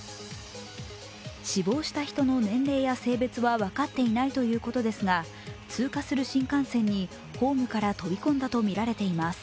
死亡した人の年齢や性別は分かっていないということですが通過する新幹線にホームから飛び込んだとみられています。